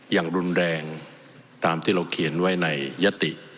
อย่างรุนแรงตามที่เราเขียนไว้ในยติ